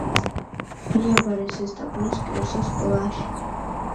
მიაბარეს ზესტაფონის კერძო სკოლაში.